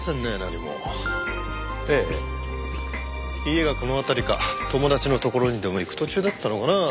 家がこの辺りか友達のところにでも行く途中だったのかな？